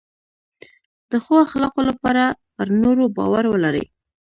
د ښو اخلاقو لپاره پر نورو باور ولرئ.